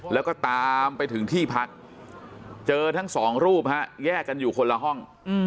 แล้วก็ตามไปถึงที่พักเจอทั้งสองรูปฮะแยกกันอยู่คนละห้อง